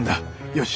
よし！